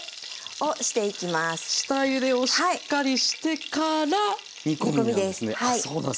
下ゆでをしっかりしてから煮込みなんですね。